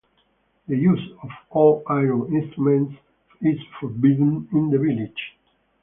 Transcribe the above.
The use of all iron instruments is forbidden in the village.